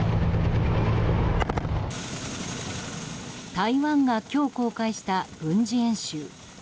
台湾が今日公開した軍事演習。